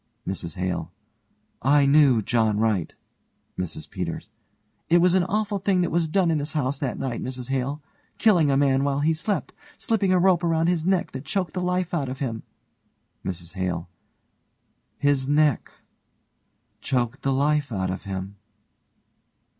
MRS HALE: I knew John Wright. MRS PETERS: It was an awful thing was done in this house that night, Mrs Hale. Killing a man while he slept, slipping a rope around his neck that choked the life out of him. MRS HALE: His neck. Choked the life out of him.